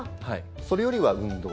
それよりは運動。